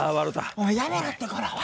お前やめろってこれ。笑